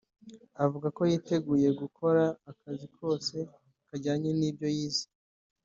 avuga ko yiteguye gukora akazi kose kajyanye n’ibyo yize